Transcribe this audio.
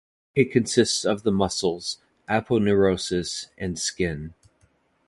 It consists of the muscles, aponeurosis, and skin.